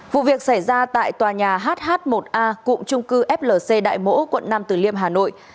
vụ việc xảy ra tại tòa nhà hh một a cụm trung cư flc đại mỗ quận năm từ liêm hà nội